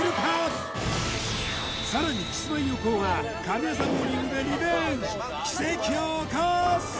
キスマイ横尾が神業ボウリングでリベンジ奇跡を起こす！